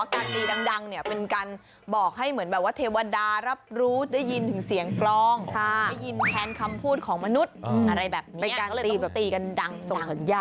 เขาบอกว่าการตีดังเนี่ย